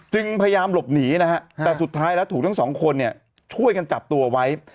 พยายามหลบหนีนะฮะแต่สุดท้ายแล้วถูกทั้งสองคนเนี่ยช่วยกันจับตัวไว้